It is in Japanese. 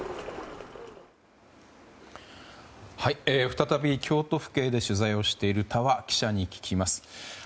再び、京都府警で取材をしている峠記者に聞きます。